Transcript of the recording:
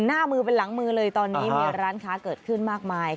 หน้ามือเป็นหลังมือเลยตอนนี้มีร้านค้าเกิดขึ้นมากมาย